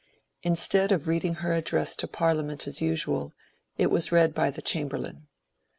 Instead of reading her address to Parliament as usual, it was read by the Chamber lain.